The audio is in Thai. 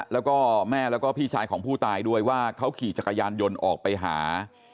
แล้วก็แม่แล้วก็พี่ชายของผู้ตายด้วยว่าเขาขี่จักรยานยนต์ออกไปหา